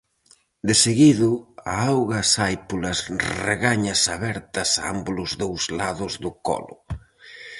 Deseguido, a auga sae polas regañas abertas a ámbolos dous lados do colo.